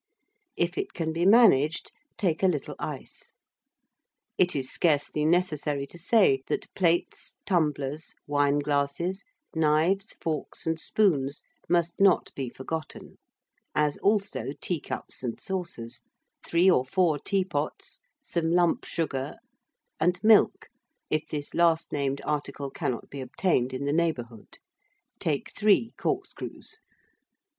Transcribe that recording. If it can be managed, take a little ice. It is scarcely necessary to say that plates, tumblers, wine glasses, knives, forks, and spoons, must not be forgotten; as also teacups and saucers, 3 or 4 teapots, some lump sugar, and milk, if this last named article cannot be obtained in the neighbourhood. Take 3 corkscrews.